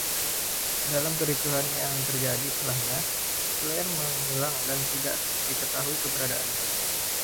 Dalam kericuhan yang terjadi setelahnya, Claire menghilang dan tidak diketahui keberadaannya.